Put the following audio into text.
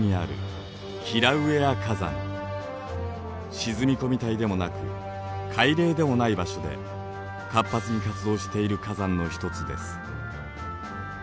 沈み込み帯でもなく海嶺でもない場所で活発に活動している火山の一つです。